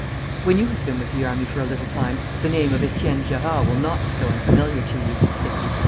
'When you have been with the army for a little time the name of Etienne Gerard will not be so unfamiliar to you,' said he.